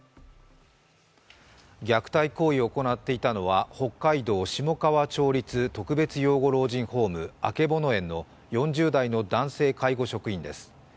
虐待行為を行っていたのは北海道下川町立の特別養護老人ホームあけぼの園の男性介護職員です。